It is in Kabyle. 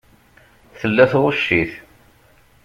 Tella tɣucc-it.